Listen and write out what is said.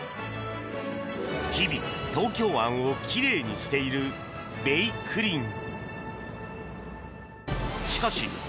日々、東京湾を奇麗にしている「べいくりん」。